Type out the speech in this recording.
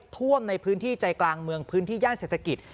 ท่วมในพื้นที่ใจกลางเมืองพื้นที่ย่านเศรษฐกิจ